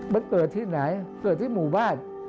มันเกิดที่ไหนเกิดที่หมู่บ้าน